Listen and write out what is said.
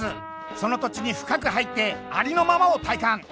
その土地に深く入ってありのままを体感。